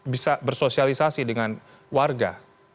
bisa bersosialisasi dengan warga